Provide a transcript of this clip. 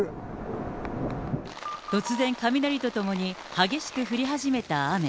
突然、雷とともに激しく降り始めた雨。